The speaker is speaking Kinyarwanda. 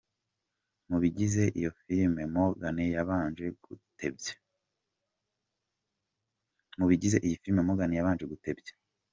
mu bigize iyo filime, Morgan yabanje gutebya .